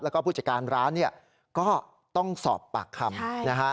แล้วก็ผู้จัดการร้านเนี่ยก็ต้องสอบปากคำนะฮะ